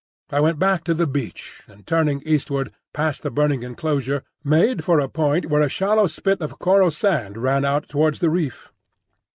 I went back to the beach, and turning eastward past the burning enclosure, made for a point where a shallow spit of coral sand ran out towards the reef.